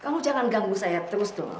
kamu jangan ganggu saya terus tuh